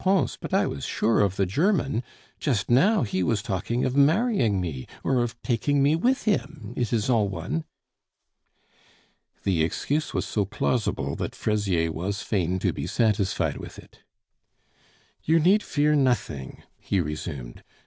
Pons, but I was sure of the German; just now he was talking of marrying me or of taking me with him it is all one." The excuse was so plausible that Fraisier was fain to be satisfied with it. "You need fear nothing," he resumed.